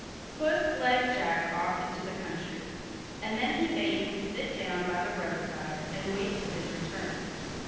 Puss led Jack off into the country, and then he bade him sit down by the roadside and wait for his return.